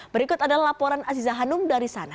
berikut adalah laporan aziza hanum dari sana